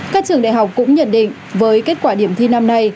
các trường đại học cũng nhận định với kết quả điểm thi năm nay